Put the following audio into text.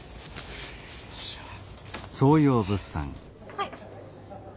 はい。